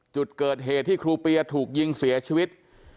จุดเกิดเหตุที่ครูเปียถูกยิงเสียชีวิต